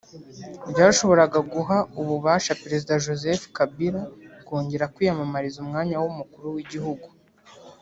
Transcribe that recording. ryashoboraga guha ububasha Perezida Joseph Kabila kongera kwiyamamariza umwanya w’umukuru w’igihugu